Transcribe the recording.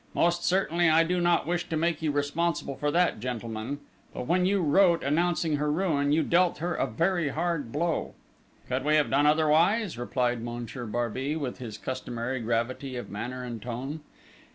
"Most certainly, I do not wish to make you responsible for that, gentlemen; but when you wrote, announcing her ruin, you dealt her a very hard blow!" "Could we have done otherwise?" replied Monsieur Barbey, with his customary gravity of manner and tone.